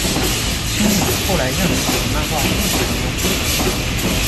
今敏后来认为此漫画并不成功。